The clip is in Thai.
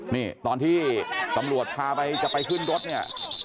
นี่ตอนที่ตำรวจพาไปจะไปขึ้นรถเนี่ย